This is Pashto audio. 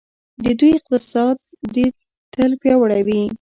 د دوی اقتصاد دې تل پیاوړی وي.